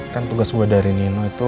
kan tugas gue dari nino itu